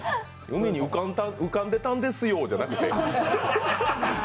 海に浮かんでたんですよじゃなくて。